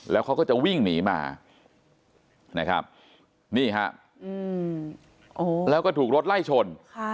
แล้วเขาก็จะวิ่งหนีมานะครับนี่ฮะแล้วก็ถูกรถไล่ชน